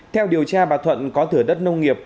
theo điều tra bà thuận có thửa đất nông nghiệp